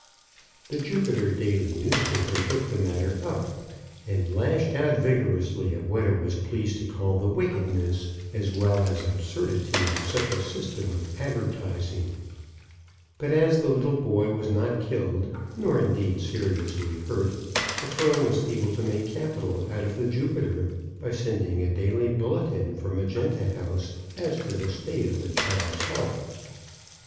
The Jupiter daily newspaper took the matter up, and lashed out vigorously at what it was pleased to call the wickedness as well as absurdity of such a system of advertising; but as the little boy was not killed, nor indeed seriously hurt, the firm was able to make capital out of the Jupiter, by sending a daily bulletin from Magenta House as to the state of the child's health.